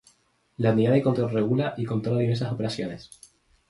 La unidad de control regula y controla diversas operaciones.